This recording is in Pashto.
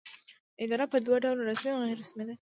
اداره په دوه ډوله رسمي او غیر رسمي ده.